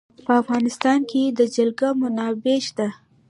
په افغانستان کې د جلګه منابع شته.